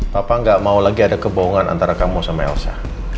papa gak mau lagi ada kebohongan antara kamu sama elsa